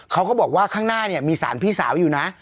เขาก็บอกว่าข้างหน้าเนี่ยมีสารพี่สาวอยู่นะ